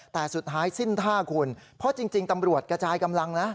แต่สุดท้ายสิ้นท่าคุณเพราะจริงตำรวจกระจายกำลังนะ